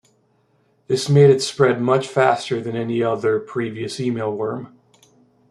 This made it spread much faster than any other previous email worm.